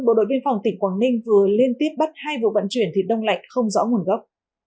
bộ đội biên phòng tỉnh quảng ninh vừa liên tiếp bắt hai vụ vận chuyển thịt đông lạnh không rõ nguồn gốc